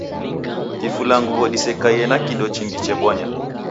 Kifula nguw'o disekaie na kindo chingi chebonya